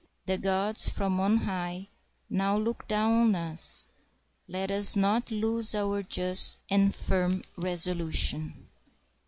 The gods from on high now look down on us; let us not lose our just and firm resolution.